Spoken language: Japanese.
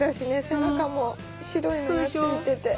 背中も白いのがついてて。